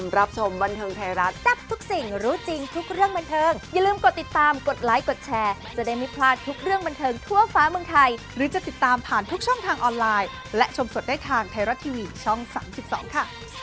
มันเชิงไทยรัก